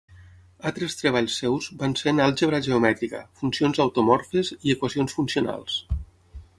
Altres treballs seus van ser en àlgebra geomètrica, funcions automorfes i equacions funcionals.